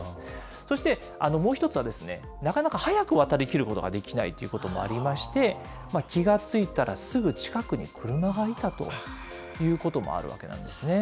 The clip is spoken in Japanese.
そしてもう一つは、なかなか早く渡り切ることができないということもありまして、気が付いたらすぐ近くに車がいたということもあるわけなんですね。